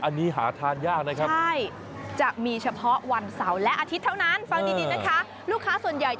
อันนี้หาทานยากนะครับใช่จะมีเฉพาะวันเสาร์และอาทิตย์เท่านั้น